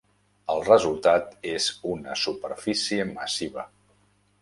El resultat és una superfície massiva.